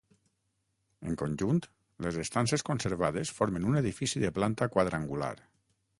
En conjunt, les estances conservades formen un edifici de planta quadrangular.